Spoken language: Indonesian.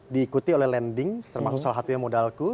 diikuti oleh lending termasuk salah satunya modalku